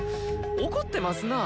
怒ってますな。